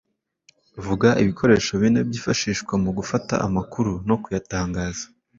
Vuga ibikoresho bine byifashishwa mu gufata amakuru no kuyatangaza.